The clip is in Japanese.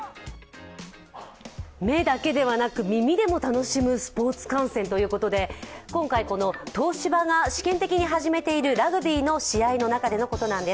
目だけではなく、耳でも楽しむスポーツ観戦ということで、今回東芝が試験的に始めているラグビーの試合の中でのことなんです。